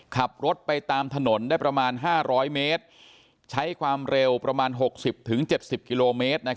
ขับรถไปตามถนนได้ประมาณ๕๐๐เมตรใช้ความเร็วประมาณ๖๐๗๐กิโลเมตร